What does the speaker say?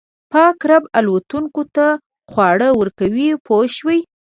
پاک رب الوتونکو ته خواړه ورکوي پوه شوې!.